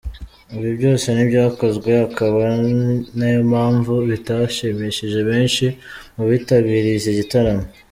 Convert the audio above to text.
Ibi byose ntibyakozwe akaba ari nayo mpamvu bitashimishije benshi mu bitabiriye iki gitaramo.